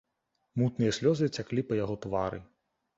Мутныя слёзы цяклі па яго твары.